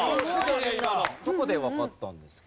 どこでわかったんですか？